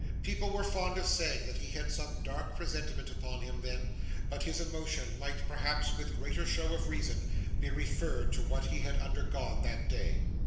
People were fond of saying that he had some dark presentiment upon him then, but his emotion might, perhaps, with greater show of reason, be referred to what he had undergone that day.